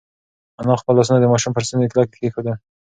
انا خپل لاسونه د ماشوم پر ستوني کلک کېښودل.